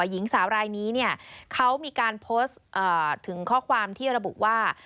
หญิงสาวรายนี้เนี่ยเขามีการโพสต์ถึงข้อความที่ระบุว่า